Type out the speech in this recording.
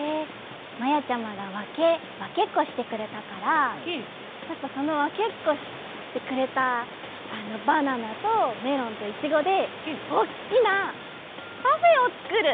まやちゃまがわけっこしてくれたからちょっとそのわけっこしてくれたバナナとメロンとイチゴでおっきなパフェをつくる！